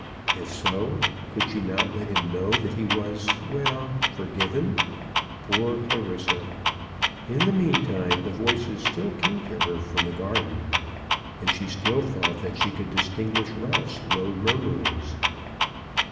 If so, could she not let him know that he was, well, forgiven? Poor Clarissa! In the meantime the voices still came to her from the garden, and she still thought that she could distinguish Ralph's low murmurings.